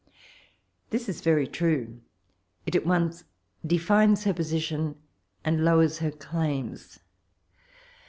This is very true ; it at once defines her position and lowers her claims.